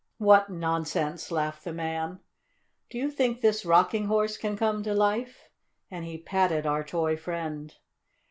"What nonsense!" laughed the man. "Do you think this Rocking Horse can come to life?" and he patted our toy friend.